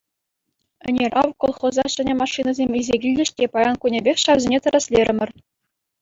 Ӗнер, ав, колхоза ҫӗнӗ машинӑсем илсе килчӗҫ те, паян кунӗпех ҫавсене тӗрӗслерӗмӗр.